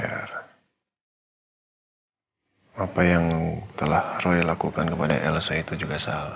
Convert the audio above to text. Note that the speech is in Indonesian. apa yang telah roy lakukan kepada elsa itu juga salah